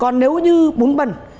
còn nếu như bạn để vào ngăn mát tủ lạnh